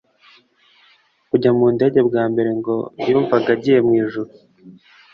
Kujya mu ndege bwa mbere ngo yumvaga agiye mu ijuru